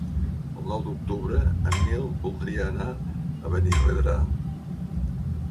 El nou d'octubre en Nil voldria anar a Benirredrà.